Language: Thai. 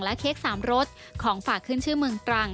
เค้กสามรสของฝากขึ้นชื่อเมืองตรัง